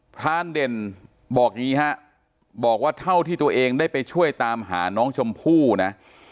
รานเด่นบอกอย่างนี้ฮะบอกว่าเท่าที่ตัวเองได้ไปช่วยตามหาน้องชมพู่นะ